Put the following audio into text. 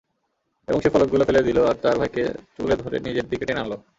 এবং সে ফলকগুলো ফেলে দিল আর তার ভাইকে চুলে ধরে নিজের দিকে টেনে আনল।